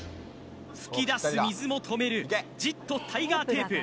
噴き出す水も止めるジットタイガーテープ